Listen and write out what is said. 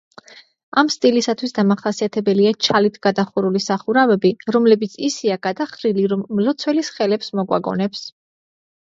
ამ სტილისათვის დამახასიათებელია ჩალით გადახურული სახურავები, რომლებიც ისეა გადახრილი, რომ მლოცველის ხელებს მოგვაგონებს.